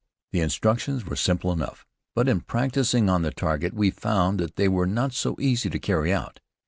The instructions were simple enough, but in practicing on the target we found that they were not so easy to carry out.